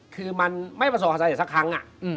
คือไม่ประสงค์เหรอสักครั้ง